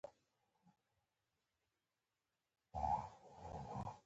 خو هغه زموږ له مرستې پرته پر مخ نه شي تللای.